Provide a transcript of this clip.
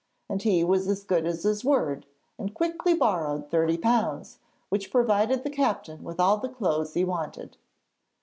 And he was as good as his word, and quickly borrowed thirty pounds, which provided the captain with all the clothes he wanted.